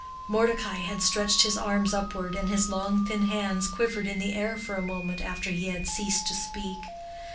Mordecai had stretched his arms upward, and his long thin hands quivered in the air for a moment after he had ceased to speak.